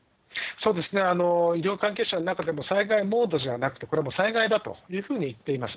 そうですね、医療関係者の中でも災害モードではなくて、これはもう災害だというふうに言っています。